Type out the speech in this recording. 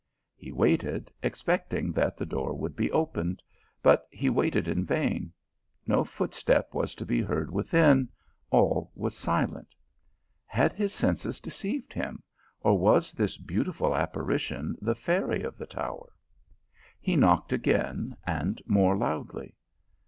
He waited, expecting that the door would be opened ; but he waited in, vain : no footstep was fo be heard within, all was silent. Had his senses deceived him, or was this beautiful ap parition the fairy of the tower? He knocked again, and more loudly.